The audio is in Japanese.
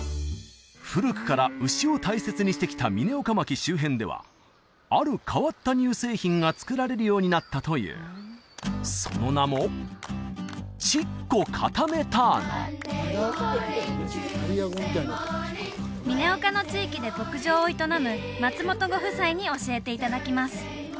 古くから牛を大切にしてきた嶺岡牧周辺ではある変わった乳製品が作られるようになったというその名も嶺岡の地域で牧場を営む松本ご夫妻に教えていただきます